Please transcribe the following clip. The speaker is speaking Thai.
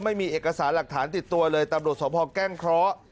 และไม่มีเอกสารหลักฐานติดตัวเลยตำรวจสมภอกแกล้งเค้า